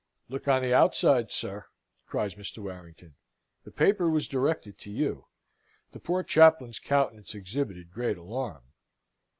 "Look on the outside, sir!" cries Mr. Warrington. "The paper was directed to you." The poor chaplain's countenance exhibited great alarm.